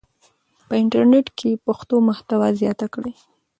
په انټرنیټ کې پښتو محتوا زیاته کړئ.